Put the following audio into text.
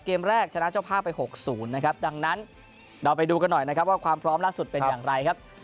เกมแรกชนะเจ้าภาพไป๖๐นะครับดังนั้นเราไปดูกันหน่อยนะครับว่าความพร้อมล่าสุดเป็นอย่างไรครับ